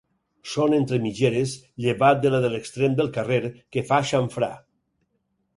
Són entre mitgeres llevat de la de l'extrem del carrer, que fa xamfrà.